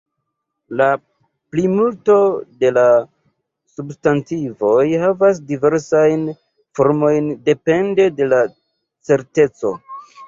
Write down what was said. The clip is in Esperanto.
La plimulto de la substantivoj havas diversajn formojn, depende de la "certeco".